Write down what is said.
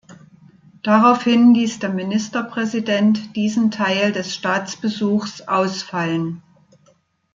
Daraufhin ließ der Ministerpräsident diesen Teil des Staatsbesuchs ausfallen.